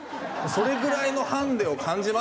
それぐらいのハンデを感じましたよ。